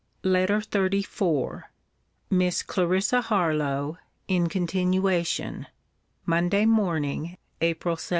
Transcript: LETTER XXXIV MISS CLARISSA HARLOWE [IN CONTINUATION.] MONDAY MORNING, APRIL 17.